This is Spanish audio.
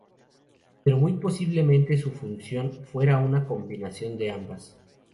Pero muy posiblemente, su función fuera una combinación de ambas.